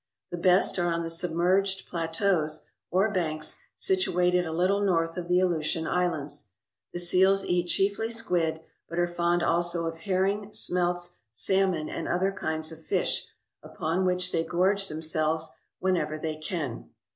The best are on the submerged plateaus, or banks, situated a little north of the Aleutian I slands. The seals eat chiefly squid, but are fond also of herring, smelts, salmon, and other kinds of fish, upon which they gorge themselves whenever they can.